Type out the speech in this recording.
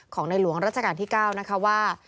ในหลวงรัชกาลที่๙นะคะว่า